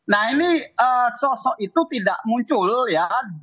nah ini sosok itu tidak muncul ya